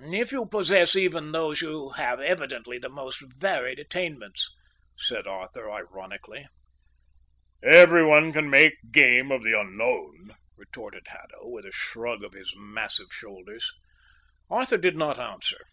"If you possess even these you have evidently the most varied attainments," said Arthur ironically. "Everyone can make game of the unknown," retorted Haddo, with a shrug of his massive shoulders. Arthur did not answer.